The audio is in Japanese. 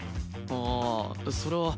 あそれは。